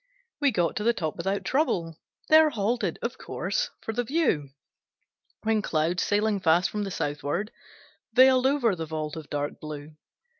We got to the top without trouble; There halted, of course, for the view; When clouds, sailing fast from the southward, Veiled over the vault of dark blue.